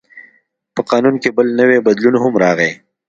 په قانون کې بل نوی بدلون هم راغی.